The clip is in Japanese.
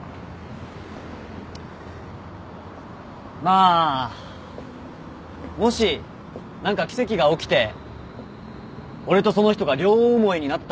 まあもし何か奇跡が起きて俺とその人が両思いになったら。